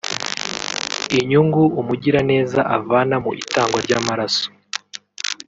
Inyungu umugiraneza avana mu itangwa ry’amaraso